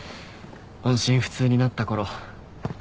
音信不通になったころ。